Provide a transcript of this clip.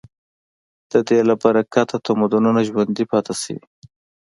د دې له برکته تمدنونه ژوندي پاتې شوي.